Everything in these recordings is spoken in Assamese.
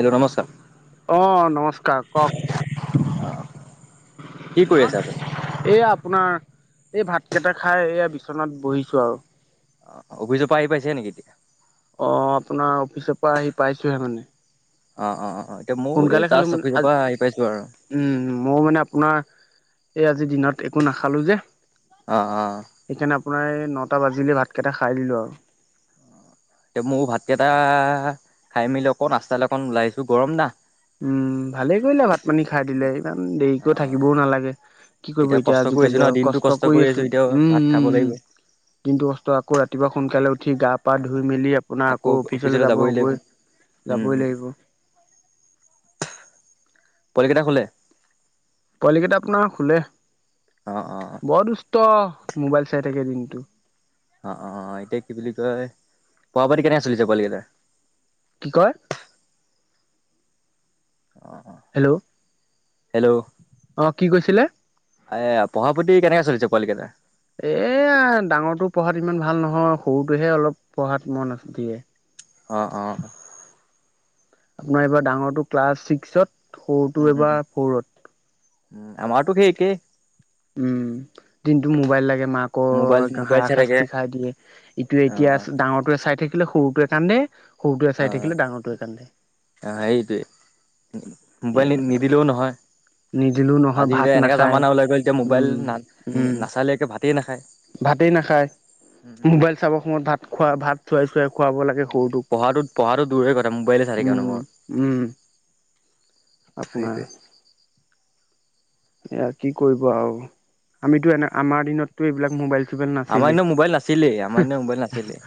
হেল্ল' নমস্কাৰ। অ নমস্কাৰ কওক? অ এই আপোনাৰ এই ভাত কেইটা খাই এয়া বিচনাত বহিছো আৰু। অ অফিচৰ পৰা আহি পাইছে নেকি এতিয়া? অ আপোনাৰ অফিচৰ পৰা আহি পাইছোহে মানে। অ অ অ অ এতিয়া ময়ো এই সোনকালে খালি জাষ্ট মানে অফিচৰ আজ, পৰা আহি পাইছো আৰু উম মৌ মানে আপোনাৰ এই আজিৰ দিনত একো নাখালো যে। আঁ আঁ অপোনাৰ নটা বাজিলে ভাতকেইটা খাই দিলোঁ আৰু। এতিয়া মৌ ভাত কেইটা খাই মেলি অকণ ৰাস্তালৈ অকণ ওলাইছো গৰম না। উম ভালে কৰিলে ভাত পানী খাই দিলে ইমান অ দেৰিকৈ থাকিবও নালাগে। কি কৰিব এতিয়া কষ্ট কৰি আছো আজিকালি ন আৰু দিনটো কষ্ট কৰি আছো, এতিয়া উম ভাত খাব উমম লাগিব কিন্তু অস্থ আকৌ ৰাতিপুৱা সোনকালে উ উঠি গা পা ধুই মেলি, আপোনাৰ আকৌ অফিচলৈ যাব হবই, উম যাবই লাগিব। [inaudible] পোৱালিকেইটা শুলে? পোৱালি কেইটা আপোনাৰ শুলে, অ অ বৰ দুষ্ট। মোবাইল চাই থাকে দিনটো। অ অ এতিয়া কি বুলি কয় পোৱা কেনেকে চলিছে পোৱালী কেইটাৰ কি কয় অ অ হেল্ল' হেল্ল' অ কি কৈছিলে এ পঢ়া পাতি কেনেকে চলিছে পোৱালি কেইটাৰ এ এ ডাঙৰটো পঢ়াত ইমান ভাল নহয় সৰুটোহে অলপ পঢ়াত মন দিয়ে অ অ আপোনাৰ এইবাৰ ডাঙৰটো ক্লাছ ছিক্সত সৰুটো উম উম এইবাৰ ফ'ৰত টো সেই একেই উম দিনটো মোবাইল লাগে মাকৰ মোবাইল এক মোবাইল হাৰা চাই থাকে শাস্তি খাই দিয়ে ইটো এতিয়া অ', ডাঙৰটোৱে চাই থাকে থাকিলে সৰুটোৱে কান্দে সৰুটোৱে চাই অ', থাকিলে ডাঙৰটোৱে কান্দে অ', সেইটোৱে। এ মোবাইল নিদিলেও নহয় নিদিলেও নহয় ভাত আজিয়া এনেকা নাখায় জামানা ওলাই গ'ল যেতিয়া মোবাইল উম না উম নাচালেকে ভাতেই নাখায় ভাতেই নাখায় মোবাইল চাবৰ সময়ত ভাত খোৱা ভাত খুৱাই খুৱাই খুৱাব লাগে সৰুটোক পঢ়াটোত পঢ়াটো দূৰৰে কথা মোবাইলে চাই থাকে উম অনবৰত উম আপোনাৰ সেইটোৱে। এয়া কি কৰিব আৰু আমিতো এনে আমাৰ দিনতটো এইবিলাক মোবাইল আমাৰ নাছিলে এনেও মোবাইল নাছিলেই আমাৰ এনেও মোবাইল নাছিলেই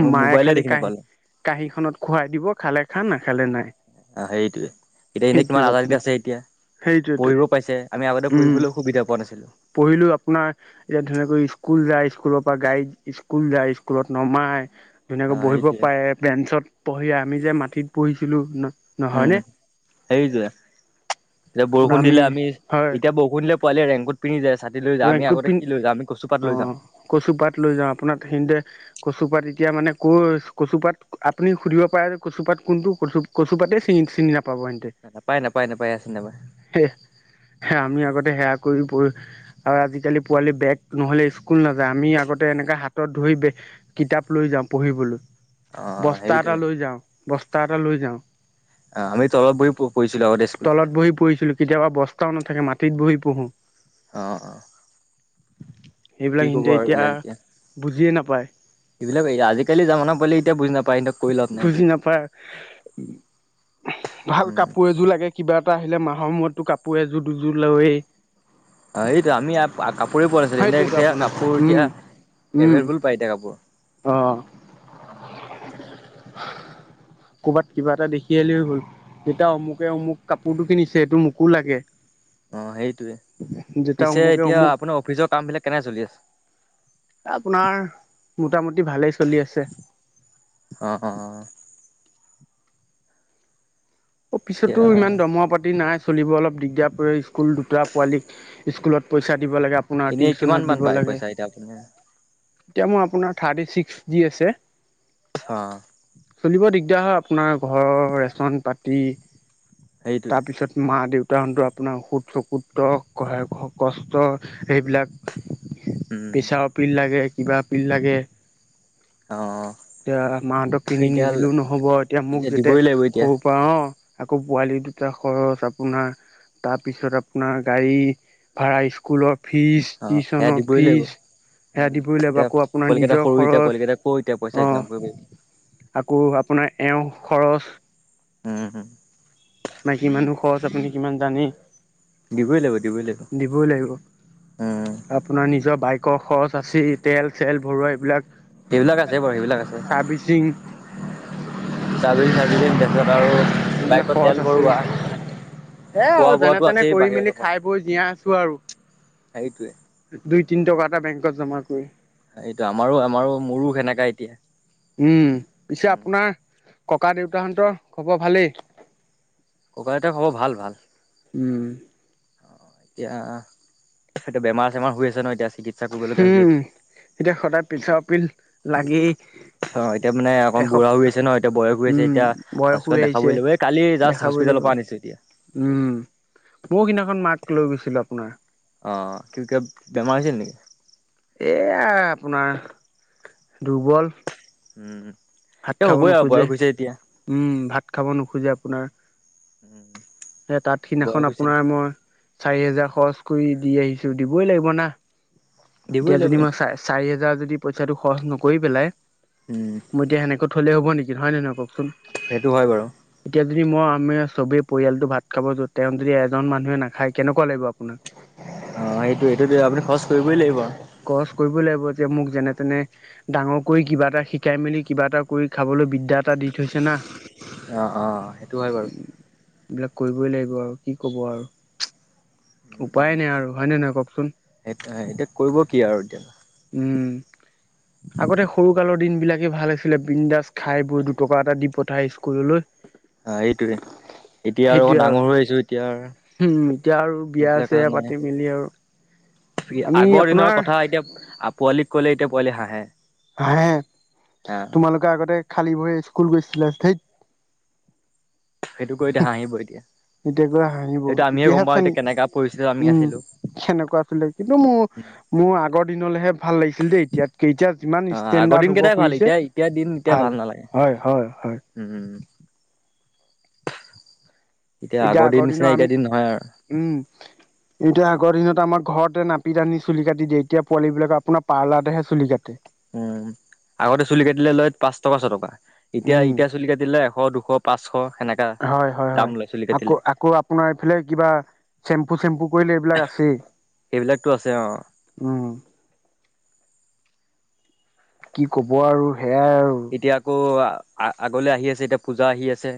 আমি মায়ে মোবাইলে খালি দেখি কাহী নাপালোঁ কাঁহী খনত খোৱাই দিব খালে খা নাখালে নাই অ সেইটোয়ে এতিয়া এনে সেইটোৱে কিমান আজাদিত আপোনাৰ। আছে এতিয়া সেইটোৱেতো পঢ়িব পাইছে আমি আগতে উম, পঢ়িবলে সুবিধা পোৱা নাই পঢ়িলো আপোনাৰ এতিয়া ধুনিয়াকৈ স্কুল যায় স্কুলৰ পৰা গাড়ীত স্কুল যায় স্কুলত নমাই ধুনীয়াকে অ', বহিব সেইটোৱে পাৰে বেঞ্চত পঢ়ি আমি যে মাটিত পঢ়িছিলোঁ ন উম নহয়নে? সেইটোৱে এতিয়া বৰষুণ দিলে আমি এতিয়া বৰষুণ পোৱালীয়ে ৰেইন কোট পিন্ধি যায় ছাতি লৈ যায় ৰেইন আমি কোট আগতে পি কি লৈ যাওঁ আমি কচুপাত লৈ যাওঁ। কচুপাত লৈ যাওঁ আপোনাৰ সেই খিনিতে কচুপাত এতিয়া মানে ক' কচুপাত আপুনি সুধিব পাৰে কচুপাত কোনটো কচু কচুপাতে চিনি চিনি নাপায় পাব হিহঁতে নাপায় নাপায় নাপায় আছে নাপায় আমি আগতে সেয়া কৰি প আৰু আজিকালি পোৱালি বেগ নহলে স্কুল নাযায় আমি আগতে এনেকা হাতত ধৰি কিতাপ লৈ যাওঁ পঢ়িবলৈ অ বস্তা এটা সেইটোৱে লৈ যাওঁ বস্তা এটা লৈ যাওঁ অ আমি তলত বহি পঢ়িছিলো আগতে স্কুল তলত বহি পঢ়িছিলো কেতিয়াবা বস্তাও নাথাকে মাটিত বহি পঢ়ো অ অ কি সেইবিলাক কব সিহঁতে আৰু এইবিলাক এতিয়া বুজিয়ে নাপায় এইবিলাক আজিকালি জামানা পোৱালী এতিয়া বুজি নাপ বুজি নাপায় ভাল উম কাপোৰ এযোৰ লাগে কিবা এটা আহিলে মা সময়তো কাপোৰ এযোৰ দুযোৰ লৱেই এইটো আমি কাপোৰেই পোৱা নাইছিলোঁ সেইটোৱেতো এনেই আপোনাৰ কাপোৰ এতিয়া উম উম এভেইলেবল পাই এতিয়া কাপোৰ অ [inaudible] কৰ'বাত কিবা এটা দেখি আহিলেও হ'ল। যেতিয়া অমুকে অমুক কাপোৰটো কিনিছে এইটো মোকো লাগে অ সেইটোৱে যেতিয়া পিছে অমুকে এতিয়া অমুক আপোনাৰ অফিচৰ কামবিলাক কেনে চলি আছে আপোনাৰ মোটামুটি ভালেই চলি আছে অ অ এতিয়া অফিছতো ইমান দৰমহা পাতি নাই। চলিব অলপ দিগদাৰ কৰে। স্কুল দুটা পোৱালীক স্কুলত পইচা দিব লাগে আপোনাৰ এনেই কিমান টিচনত মান দিব পায় লাগে, পইচা এতিয়া আপুনি এতিয়া মই আপোনাৰ থাৰ্টি ছিক্স দি আছে। অ। এতিয়া হয় আপোনাৰ ঘৰৰ ৰেচন পাতি সেইটোৱে তাৰপিছত মা দেউতা। উদ্তাহৰণটো আপোনাৰ সুত চকুতহায় কষ্ট সেইবিলাক। উম পেচাঅ পিল লাগে, কিবা আপিল লাগে। অ, অ। এতিয়া মাহতক কিনি নিদিলেও নহব, এতিয়া মোক যেতিয়া দিবই লাগিব এতিয়া সৰু পৰা অ, আকৌ পোৱালি দুটা খৰচ আপোনাৰ। তাৰ পিছত আপোনাৰ গাড়ী ভাড়া স্কুলত ফিজ অ সেয়া টিউচনৰ দিবই লাগিব ফিজ। সেয়া উম, দিবই লাগিব এতিয়া আকৌ আপোনাৰ পোৱালিকেইটা নিজৰ সৰু এতিয়া খৰচ পোৱালিকেইটা ক' এতিয়া পইচা অ ইনকাম কৰিবি। আকৌ আপোনাৰ এওঁ খৰচ। উম, হম। মাইকি মানুহ ৰ খৰচ আপুনি কিমান জানেই? দিবই লাগিব। দিবই লাগিব। দিবই লাগিব। উম, আপোনাৰ নিজৰ বাইকৰ খৰচ আচেই তেল চেল ভৰুৱা এইবিলাক। সেইবিলাক আছে বাৰু সেইবিলাক আছে। চাৰ্ভিচিং চালি চালুম তাৰপিছত আৰু এইবিলাক বাইকত খৰচ তেল আছে ভৰুৱা। এ, আৰু যেনে তেনে কৰি মেলি খাই বৈ জীয়াই আছো আৰু। সেইটোৱে। দুই তিনি টকা এটা বেংকত জমা কৰি। এইটো আমাৰো, আমাৰো মোৰো সেনেকা এতিয়া। উম, পিছে উম, আপোনাৰ ককা দেউতাহঁতৰ খবৰ ভালেই? ককা আইতা খবৰ ভাল ভাল। উম। অ, এতিয়া এইটো বেমাৰ-চেমাৰ হৈ আছে ন এতিয়া চিকিৎসা কৰিবলগীয়া হৈ হম আছে। এতিয়া সদায় পিতাই অৰ পিল লাগি অ', এতিয়া মানে অকণ এসপ বুঢ়া হৈ আছে ন এতিয়া বয়স হৈ আছে উম, এতিয়া বয়স হৈ হস্পিটেলত দেখাবই আহিছে লাগিব। এই কালি জাষ্ট দেখাব হস্পিটেলৰ লাগিব। পৰা আনিছো এতিয়া। উম, ময় সিদিনাখন মাক লৈ গৈছিলো আপোনাৰ। অ, কি তেওঁ বেমাৰ হৈছে নেকি? এয়া আপোনাৰ দুৰ্বল। উম। ভাত এ খাব হ'বই আৰু নোখোজে। বয়স হৈছে এতিয়া উম, ভাত খাব নোখোজে আপোনাৰ উম। সেই তাঁত সিদিনাখন আপোনাৰ মই চাৰি হেজাৰ খৰচ কৰি দি আহিছো। দিবই লাগিব না, দিবই এতিয়া লাগিব যদি মই চা চাৰি হা জাৰ যদি পইচাটো খৰচ নকৰি পেলাই, উম মই এতিয়া সেনেকে থলে হ'ব নেকি নহয় নে নহয় কওক? সেইটো হয় বাৰু। যদি মই আমি সবেই পৰিয়ালটো ভাত খাব য তেওঁ যদি এজন মানুহে নাখায় কেনেকুৱা লাগিব আপোনাক অ, সেইটো সেইটোত আপুনি খৰচ কৰিবই লাগিব। খৰচ কৰিব লাগিব যে মোক যেনে তেনে ডাঙৰ কৰি কিবা এটা শিকাই মেলি কিবা এটা কৰি খাবলৈ বিদ্যাত এটা দি থৈছে না। অ অ সেইটো হয় বাৰু এইবিলাক কৰিবই লাগিব আৰু কি ক'ব আৰু। উপায় নাই আৰু হয় নে নহয় কওকচোন? এতিয়া কৰিব কি আৰু এতিয়া? উম আগতে সৰু কালত দিন বিলাকে ভাল আছিলে বিন্দাস খাই বৈ দুটকা এটা দি পঠাই স্কুললৈ। অ এইটোৱে। এতিয়া আৰু অক ডাঙৰ হৈ আহিছো এতিয়া আৰু হম এতিয়া আৰু বিয়া সেইবিলাক কথা চিয়া নাই। পাতি মেলি আৰু আমি আগৰ দিনৰ আপোনাৰ কথা এতিয়া পোৱালিক কলে এতিয়া পোৱালি হাঁহে। হাঁহে, হা তোমালোকে আগতে খালী ভৰিৰে স্কুল গৈছিলা থেইত। সেইটো কৈ এতিয়া হাঁহিব এতিয়া। এতিয়াকৈ হাঁহিব সেইটো আমিয়ে গম ইতিহাস পাওঁ চ এতিয়া নেকি কেনেকা পৰিস্থিতিত আমি উম। আছিলো সেনেকুৱা আছিলে কিন্তু মোৰ মোৰ আগৰ দিনলৈহে ভাল লাগিছিল যে এতিয়াতকে এতিয়া যিমান ষ্টেণ আগৰদিন কেইটাই ভাল এতিয়া এতিয়া দিন এতিয়া ভাল নালাগে হয় হয় হয় উম। এতিয়া দিন আগৰ নিচিনা দিনৰ আমি এতিয়া দিন নহয় আৰু উম এতিয়া আগৰ দিনত আমাৰ ঘৰতে নাপিত আনি চুলি কাট দিয়ে, এতিয়া পোৱালিবিলাক আপোনাৰ পাৰ্লাৰতেহে চুলি কাটে। উম আগতে চুলি কাটিলে লৈ পাঁচ টকা ছয় টকা এতিয়া উম এতিয়া চুলি কাটিলে এ শ দুশ পাঁচশ সেনেকা হয় হয় দাম হয় লৈছিল। আকৌ আকৌ আপোনাৰ এইফালে কিবা চেম্পু চেম্পু কৰিলে এইবিলাক আছেই। সেইবিলাকটো আছে অ। উম কি কব আৰু? সেয়াই আৰু এতিয়া আকৌ আগলে আহি আছে এতিয়া পূজা আহি আছে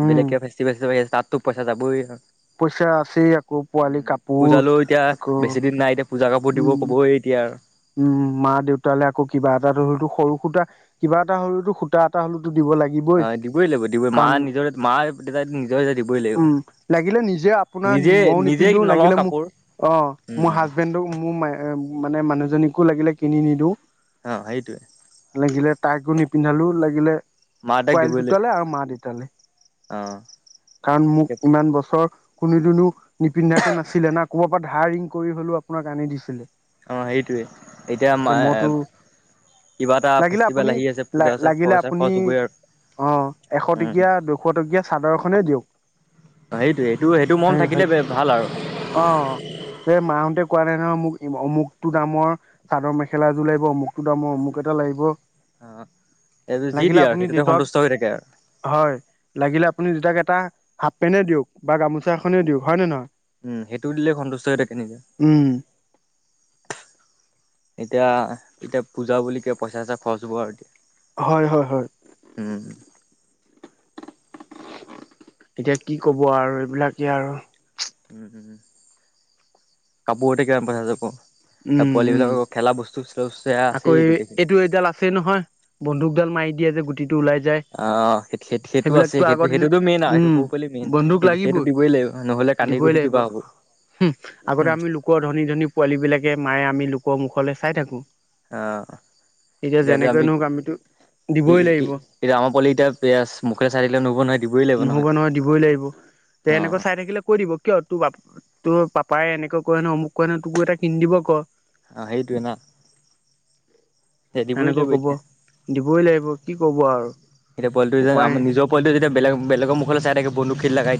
উম বেলেগ কে ফেষ্টিভেল চ আহি আছে। তাততো পইচা যাবই আৰু পইচা আছেই আকৌ পোৱালি উম কাপোৰ পূজালৈও এতিয়া আকৌ বেছি দিন নাই এতিয়া পূজা কাপোৰ দিব উম ক'বই এতিয়া আৰু। উম মা -দেউতালৈ আকৌ কিবা এটা হেৰিতো সৰু সুতা কিবা এটা সৰুতো সূতা এটা হ দিব অ লাগিবই দিবই লাগিব দিবই মা কাৰণ নিজৰে মা দেউতাই নিজৰ দিবই লাগিব উম লাগিলে নিজ যে আপোনাৰ নিজে মইও নিজে নিপিন্ধো নলওঁ লাগিলে মোক কাপোৰ অ উম মোৰ উম হাজবেণ্ডক মোৰ ম মানে মানুহজনীকো লাগিলে কিনি নিদিওঁ। অ সেইটোৱে। লাগিলে তাইকো নিপিন্ধালোঁ লাগিলে মা দেউতাক পোৱালি দিবই দুটালে লাগিব আৰু মা - দেউতালে। অ কাৰণ মোক ইমান বছৰ কোনো দুনো নিপিন্ধাকৈ নাছিলে না ক'ৰবাৰ পৰা ধাৰ ঋণ কৰি হলেও আপোনাক আনি দিছিলে। অ সেইটোৱে এতিয়া মা কিবা এটা লাগিলে আপুনি ফেষ্টিভেল আহি আছে পূজা চা খৰচ হবই আৰু। অঁ এশ উম টকীয়া, দুশ টকীয়া চাদৰখনেই দিয়ক সেইটোৱে সেইটো সেইটো হে মৰম থাকিলে হয় ভাল আৰু অ সেই মাহতে কোৱা নাই নহয় মোক অমুকটো দামৰ চাদৰ মেখেলাযোৰ লাগিব, অমুকটো দামৰ অমুক এটা লাগিব। অ এইটো যি লাগিলে দিয়ে আৰু আপুনি সেইটোতে দেউতাক সন্তুষ্ট হৈ থাকে আৰু হয় লাগিলে আপুনি দেউটাক এটা হাফ পেনে দিয়ক বা গামোচা এখনেই দিয়ক হয় নে নহয়? উম সেইটো দিলে সন্তুষ্ট হৈ থাকে নিজে। উম এতিয়া এতিয়া পূজা বুলি কিয় পইচা চইচা খৰচ হব আৰু এতিয়া। হয় হয় হয়। উম এতিয়া কি কব আৰু এইবিলাকে আৰু। উম উম কাপোৰতে কিমান পইচা যাব। উম পোৱালী উম বিলাকৰ খেলা বস্তু চস্তুয়া আকৌ আছেই গোটেইখিনি এইটো এইডাল আছেই নহয় বন্ন্দুকডাল মাৰি দিয় যে গুটিত অ স সেই সেইটো আছে সেইটো আগৰ দিনত সেইটোতো মেইন আৰু সেইটো উম সৰু পোৱালি মেইন বন্দুক সেই সেইটো লাগিবই দিবই লাগিব। নহলে কান্দি দিবই কুটি লাগিব কিবা হ'ব। আগতে আমি লোকৰ ধনী ধনী পোৱালী বিলাকে মায়ে আমি লোকৰ মুখলে চাই থাকো। এতিয়া যেনেকৈ নক আমিতো দিবই লাগিব এ আমৰ পোৱালি এতিয়া মুখে চাই থাকিলে নহব নহয়। দিবই লাগিব ন নহব এতিয়া নহয় দিবই লাগিব তে অ এনেকৈ চাই থাকিলে কৈ দিব কিয় তোৰ বা তোৰ পাপাই এনেকৈ কয় ন অ মোক ক ন তোকো এটা কিন দিব ক। সেইটোৱেই ন। সেনেকৈ কব দিবই লাগিব কি কব আৰু। এতিয়া পোৱালিটো যে উপায় আম নাই নিজৰ পোৱালিটো বেলেগৰ মুখলৈ চাই থাকে বন্দুগ লগাই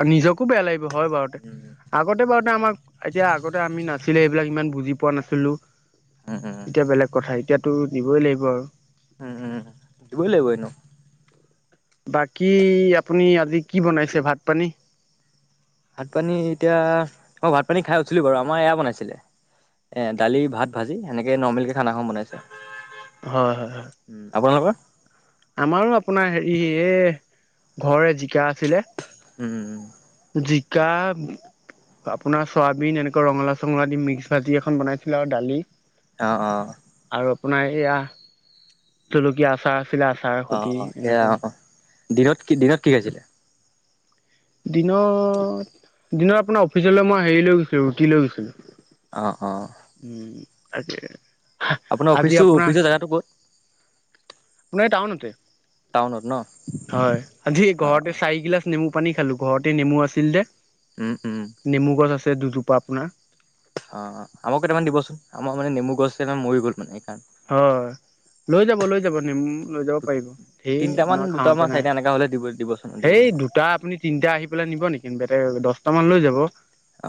আ নিজকো বেয়া লাগিব হয় বাৰুতে উম আগতে বাৰুতে আমাক। এতিয়া আগতে আমি নাছিলে এইবিলাক ইমান বুজি পোৱা নাছিলো উম উম এতিয়া বেলেগ কথাই। এতিয়াতো দিবই লাগিব আৰু। দিবই লাগিবনো। বাকী আপুনি আজি কি বনাইছে ভাত পানী। ভাত পানী এতিয়া মই ভাত পানী খাই উছিলো বাৰু আমাৰ এয়া বনাইছিলে। এ দালি ভাত ভাজি সেনেকে নৰ্মেল কে খানাখন বনাইছে। হয় হয় হয় উম আপোনালোকৰ। আমাৰো আপোনাৰ হেৰি এই ঘৰ জিকা আছিলে। উম উ। জিকা। আপোনাৰ চয়াবিন এনেকুৱা ৰঙালা চঙলা দি মিক্স ভাজি এখন বনাইছিলো আৰু দালি। অ অ। আৰু আপোনাৰ এইয়া জলকীয়া আচাৰ। আছিলে আচাৰ অ সতি অ সেয়া এনেকুৱা অ অ দিনত কি দিনত কি আছিলে। দিনত দিনত আপোনাৰ অফিচলৈ মই হেৰি লৈ গৈছিলো ৰুটি লৈ গৈছিলো। অ অ। আতচ্ছা আপোনাৰ অফিচটো অফিচৰ জেগাতটো ক'ত। আপোনাৰ এই টাউনতে টাউনত ন হয় আজি অ অ ঘৰতে চাৰিগিলাচ নেমু পানী খালো। ঘৰতে নেমু আছিল দে উম উম নেমু গছ আছে দুজোপা আপোনাৰ। অ আমাকো এটামান দিবচোন আমাৰ মানে নেমু গছ মৰি গ'ল মানে। সেইকাৰণে হয়। লৈ যাব লৈ যাব নিম লৈ যাব পাৰিব ধেৰ তিনিটামান মই দুটামান খাওঁতে নাই। চাৰিটা এনেকা হ'লে দিব দিবচোন দিবচোন সেই দুটা আপুনি তিনিটা আহি পেলাই নিব নেকি দহটা মান লৈ যাব।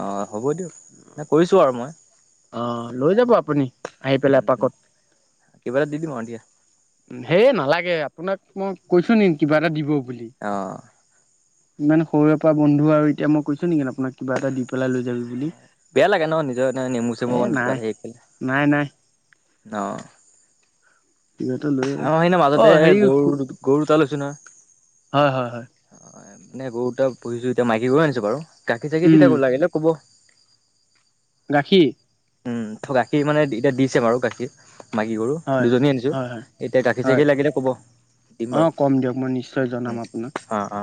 অ হ'ব দিয়ক ম কৰিছোঁ আৰু মই। অ লৈ যাব আপুনি আহি পেলাই উ এপাকত কিবা এটা দি দিম আৰু দিয়া। হেই নালাগে আপোনাক মই কৈছো নিেক কিবা এটা দিব। বুলি অ। ইমান সৰুৰে পৰা বন্ধু আৰু এতিয়া মই কৈছো নেকি আপোনাক কিবা এটা দি। পেলাই লৈ যাবি বুলি বেয়া লাগে ন নিজৰ এ নেমু এ চেমুন কিবা নাই নাই নাই ন। সিহঁতে লৈ অ আহি ন অ মাজতে হেৰি গৰু গৰু দুটা লৈছো নহয়। হয় হয় হয়। এনে গৰু এ পূহিছো এতিয়া মাইকী গৰু আনিছো বাৰু গাখীৰ চাকি দি উম থাকো লাগিলে ক'ব। গাখীৰ। উম গাখীৰ মানে এতিয়া দিছে বাৰু গাখীৰ মাইকী গৰু হয় দুজনীয়ে আনিছো। হয় হয় এতিয়া গাখীৰ হয় চাখীৰ লাগিলে ক'ব দিম অ কম দিয়ক মই নিশ্চয় জনাম বাৰু আপোনাক অ অ।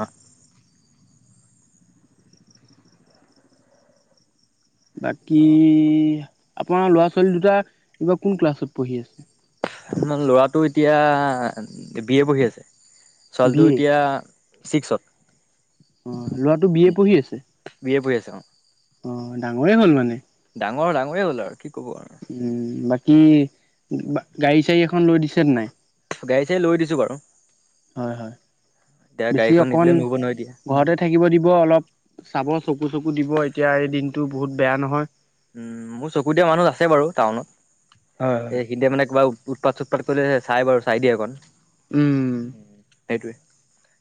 বাকী অ আপোনাৰ ল'ৰা ছোৱালী দুটা এইবাৰ কোন ক্লাছত পঢ়ি আছে? আপোনাৰ ল'ৰাটো এতিয়া বি এ পঢ়ি আছে, বি ছোৱালীটো এ এতিয়া ছিক্সত। অ লৰাটো বিএ পঢ়ি আছে? বি এ পঢ়ি অ। অ ডাঙৰে হ'ল মানে। ডাঙৰ ডাঙৰে হ'ল আৰু। ক'ব আৰু উম বাকী গাড়ী চাৰী এখন লৈ দিছে নাই? গাড়ী চাৰি লৈ দিছো বাৰু। হয় হয়। এতিয়া বেছি গাড়ীখন অকন নিদিলে নহ'ব নহয় এতিয়া ঘৰতে থাকিব দিব অলপ চাব চকু চকো দিব এতিয়া এই দিনটো বহুত বেয়া নহয়। উম মোৰ চকু দিয়া মানুহ আছে বাৰু টাউনত, হয় হয় সেই খিনিতে মানে কিবা উৎপাত চুটপাত কৰি চাই বাৰু চাই দিয়ে অকণ উম সেইটোৱে।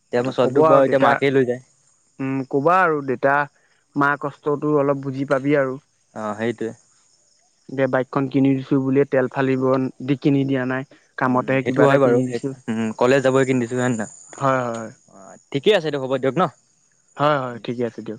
এতিয়া মোৰ ছোৱালীটোক ক'বা আৰু বাৰু এতিয়া দেতা মাকেই লৈ যায় উম কবা আৰু দেতা মা কষ্ট টো অলপ অলপ বুজি পাবি আৰু। অ সেইটোৱে দে বাইকখন কিনি দিছো বুলিয়ে তেল ফালিব দি কিনি দিয়া নাই। উম কামতেহে কিবা সেইটো এটা হয় বাৰু কিনি দিছো উম কলেজ যাবই কিনি দিছোঁ হয় নে নহয়? হয় হয় হয় অ ঠিকে আছে দিয়ক হ'ব দিয়ক ন। হয় হয় ঠিকে আছে দিয়ক।